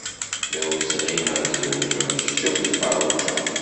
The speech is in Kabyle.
D awezɣi ad tzewǧeḍ kečč akked Ferruǧa.